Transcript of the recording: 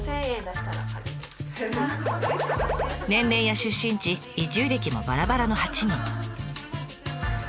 年齢や出身地移住歴もばらばらの８人。